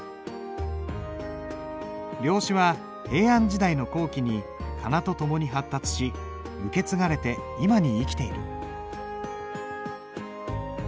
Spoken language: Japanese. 料紙は平安時代の後期に仮名と共に発達し受け継がれて今に生きている。